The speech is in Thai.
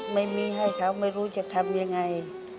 ไม่มีให้เขาไม่รู้จะทำยังไง